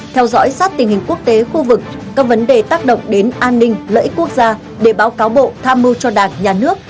theo dõi sát tình hình quốc tế khu vực các vấn đề tác động đến an ninh lợi ích quốc gia để báo cáo bộ tham mưu cho đảng nhà nước